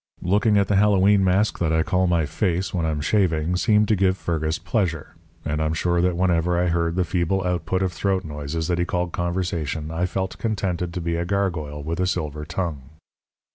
Looking at the Hallowe'en mask that I call my face when I'm shaving seemed to give Fergus pleasure; and I'm sure that whenever I heard the feeble output of throat noises that he called conversation I felt contented to be a gargoyle with a silver tongue.